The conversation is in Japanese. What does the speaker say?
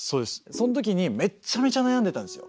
そのときにめっちゃめちゃ悩んでたんですよ。